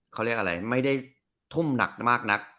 ก็ไม่ได้ท่มหนักมากนัก